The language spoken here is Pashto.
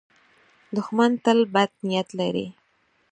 دښمن تل بد نیت لري